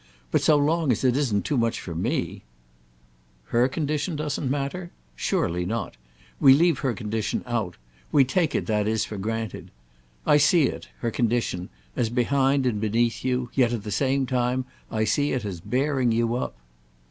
But so long as it isn't too much for me—!" "Her condition doesn't matter? Surely not; we leave her condition out; we take it, that is, for granted. I see it, her condition, as behind and beneath you; yet at the same time I see it as bearing you up."